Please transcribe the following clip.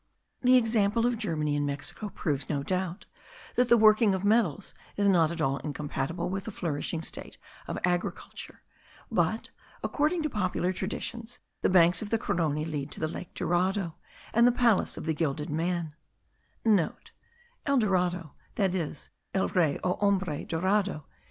The example of Germany and Mexico proves, no doubt, that the working of metals is not at all incompatible with a flourishing state of agriculture; but, according to popular traditions, the banks of the Carony lead to the lake Dorado and the palace of the gilded man* (* El Dorado, that is, el rey o hombre dorado.